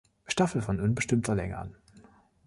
Staffel von unbestimmter Länge an.